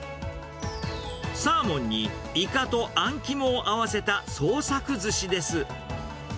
サーモンにイカとアン肝を合わせた創作ずしです。